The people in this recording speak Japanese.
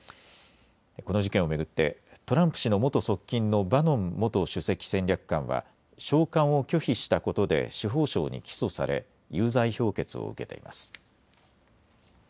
この事件を巡ってトランプ氏の元側近のバノン元首席戦略官は召喚を拒否したことで司法省に起訴され有罪評決を受けています。